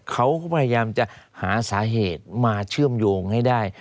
เขาก็พยายามจะหาสาเหตุมาเชื่อมโยงให้ได้